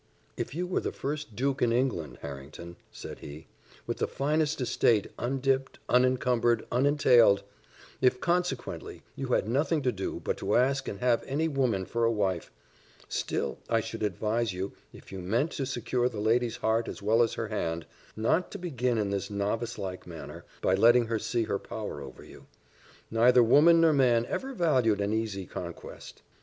"If you were the first duke in England, Harrington," said he, "with the finest estate, undipped, unencumbered, unentailed; if, consequently, you had nothing to do but to ask and have any woman for a wife; still I should advise you, if you meant to secure the lady's heart as well as her hand, not to begin in this novice like manner, by letting her see her power over you: neither woman nor man ever valued an easy conquest.